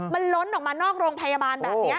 มันล้นออกมานอกโรงพยาบาล